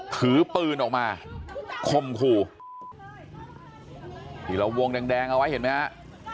ถือปืนออกมาคมขู่ที่เราวงแดงแดงเอาไว้เห็นไหมฮะ